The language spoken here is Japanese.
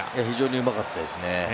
非常にうまかったですね。